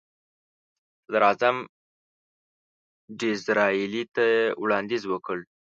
صدراعظم ډیزراییلي ته یې وړاندیز وکړ.